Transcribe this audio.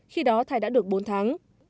khi đó thai đã được bốn tháng